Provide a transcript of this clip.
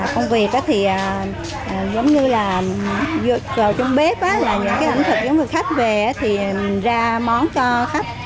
công việc thì giống như là vào trong bếp là những ẩm thực giống như khách về thì ra món cho khách